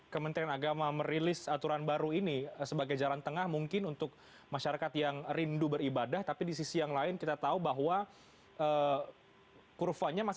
ya jadi tadi pak menteri juga sudah menyampaikan bahwa ini dalam rangka untuk merespon perinduan umat beragama